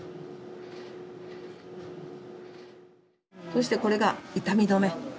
そしてこれが痛み止め。